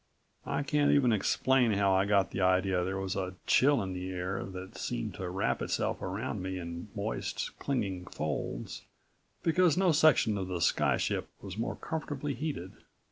I can't even explain how I got the idea there was a chill in the air that seemed to wrap itself around me in moist, clinging folds, because no section of the sky ship was more comfortably heated.